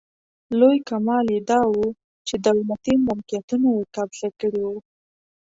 لوی کمال یې داوو چې دولتي ملکیتونه یې قبضه کړي وو.